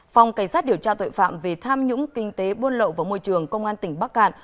phòng cảnh sát điều tra tội phạm về tham nhũng kinh tế buôn lậu vào môi trường công an tỉnh bắc cạn